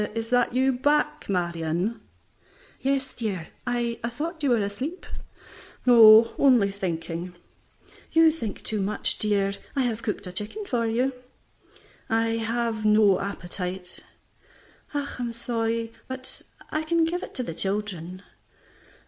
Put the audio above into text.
"Is that you back, Marion?" "Yes, dear; I thought you were asleep." "No, only thinking." "You think too much, dear. I have cooked a chicken for you." "I have no appetite." "I'm so sorry, but I can give it to the children."